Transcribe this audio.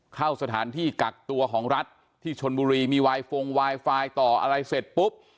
เข้าสถานที่กักตัวของรัฐที่ชนบุรีมีวายฟงไวไฟต่ออะไรเสร็จปุ๊บ